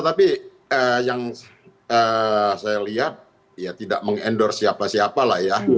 tapi yang saya lihat ya tidak mengendorse siapa siapa lah ya